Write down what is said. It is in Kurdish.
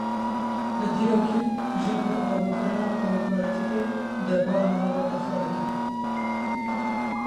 Li Dîlokê jin bi avakirina kooperatîfê debara malbata xwe dikin.